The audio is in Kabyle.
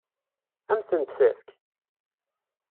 Ad m-tent-tefk?